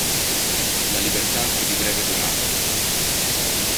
La libertà fu di breve durata.